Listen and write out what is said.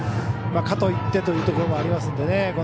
かといってというところもありますので。